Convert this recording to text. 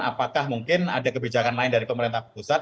apakah mungkin ada kebijakan lain dari pemerintah pusat